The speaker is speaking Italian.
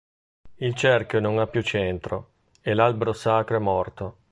Il cerchio non ha più centro, e l'albero sacro è morto".